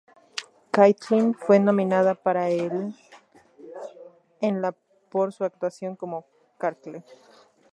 Knightley fue nominada para el en la por su actuación como Clarke.